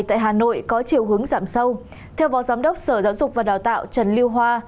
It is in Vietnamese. tại hà nội có chiều hướng giảm sâu theo phó giám đốc sở giáo dục và đào tạo trần lưu hoa